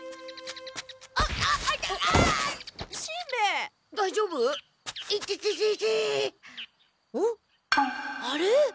あれ？